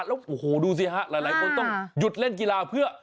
แล้วโอ้โหดูสิฮะหลายคนต้องหยุดเล่นกีฬาเพื่อ